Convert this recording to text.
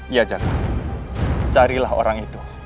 iya jangan carilah orang itu